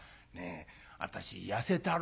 私痩せたろ？」。